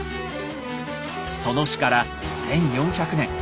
その死から１，４００年。